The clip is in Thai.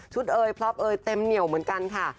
ทรุดเอ๋ยระยะพลับเอ๋ยเต็มเหนี่ยวเหมือนกันค่ะ